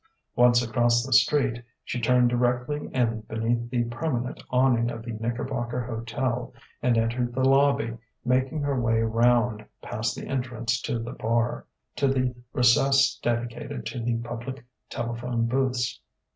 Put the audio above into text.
Once across the street, she turned directly in beneath the permanent awning of the Knickerbocker Hotel, and entered the lobby, making her way round, past the entrance to the bar, to the recess dedicated to the public telephone booths.